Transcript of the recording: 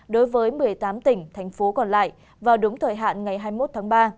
đối với một mươi tám tỉnh thành phố còn lại vào đúng thời hạn ngày hai mươi một tháng ba